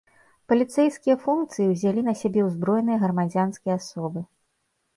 Паліцэйскія функцыі ўзялі на сябе ўзброеныя грамадзянскія асобы.